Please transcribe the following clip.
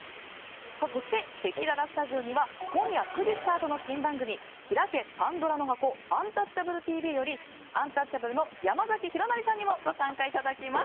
そして、せきららスタジオには今夜９時スタートの新番組「ひらけ！パンドラの箱アンタッチャブるＴＶ」よりアンタッチャブルの山崎弘也さんにもご参加いただきます。